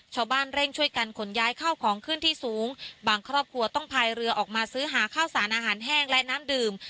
ชาวบ้านเร่งช่วยกันขนย้ายข้าวของขึ้นที่สูงบางครอบครัวต้องพายเรือออกมาซื้อหาข้าวสารอาหารแห้งและน้ำดื่ม